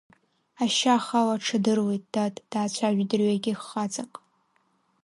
Ашьа ахала аҽадыруеит, дад, даацәажәеит дырҩегьых хаҵак.